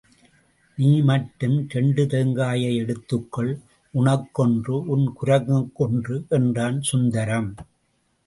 நீ மட்டும் ரெண்டு தேங்காயை எடுத்துக்கொள் உனக்கொன்று, உன் குரங்குக்கொன்று என்றான் சுந்தரம்.